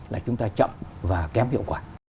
là chúng ta chậm và kém hiệu quả